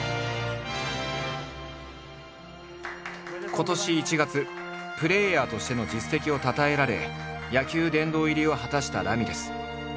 今年１月プレーヤーとしての実績をたたえられ野球殿堂入りを果たしたラミレス。